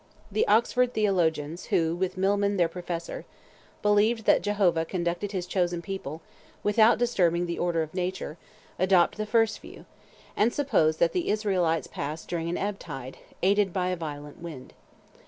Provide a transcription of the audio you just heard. The Oxford theologians, who, with Milman their professor, believe that Jehovah conducted His chosen people without disturbing the order of nature, adopt the first view, and suppose that the Israelites passed during an ebb tide, aided by a violent wind.